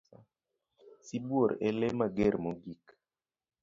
Sibuor e lee mager mogik.